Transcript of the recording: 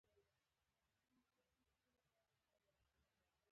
زه بخښنه غواړم چې داسې خبر مې واورید